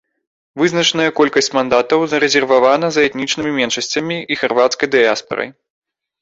Вызначаная колькасць мандатаў зарэзервавана за этнічнымі меншасцямі і харвацкай дыяспарай.